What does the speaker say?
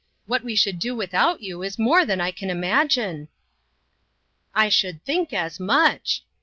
What we should do without you is more than I can imagine." " I should think as much